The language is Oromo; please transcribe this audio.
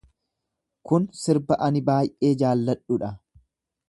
Kun sirba ani baay’ee jaalladhu dha.